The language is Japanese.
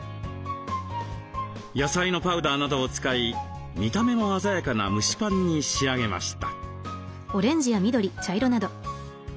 野菜のパウダーなどを使い見た目も鮮やかな蒸しパンに仕上げました。